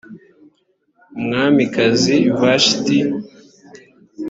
umwamikazi vashiti